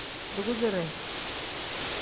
Dugusire.